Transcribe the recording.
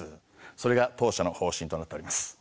それが当社の方針となっております。